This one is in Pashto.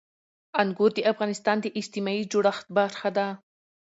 انګور د افغانستان د اجتماعي جوړښت برخه ده.